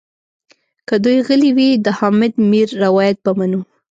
که دوی غلي وي د حامد میر روایت به منو.